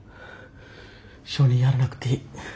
証人やらなくていい。